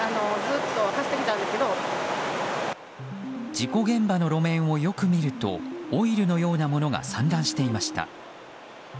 事故現場の路面をよく見るとオイルのようなものが散乱していました。